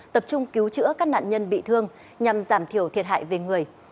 tập trung cứu chữa các nạn nhân bị thương nhằm giảm thiểu thiệt hại về người